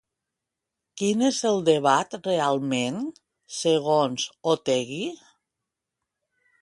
Quin és el debat realment, segons Otegi?